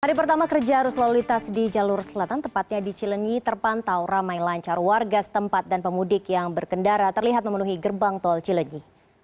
hari pertama kerja arus lalu lintas di jalur selatan tepatnya di cilenyi terpantau ramai lancar warga setempat dan pemudik yang berkendara terlihat memenuhi gerbang tol cilenyi